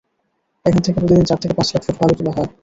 এখান থেকে প্রতিদিন চার থেকে পাঁচ লাখ ফুট বালু তোলা হয়।